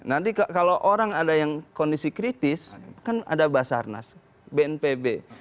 nah kalau orang ada yang kondisi kritis kan ada basarnas bnpb